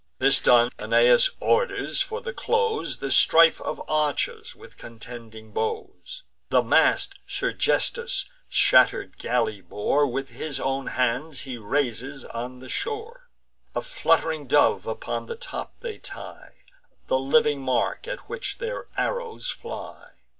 This done, Aeneas orders, for the close, The strife of archers with contending bows. The mast Sergesthus' shatter'd galley bore With his own hands he raises on the shore. A flutt'ring dove upon the top they tie, The living mark at which their arrows fly.